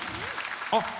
あっ！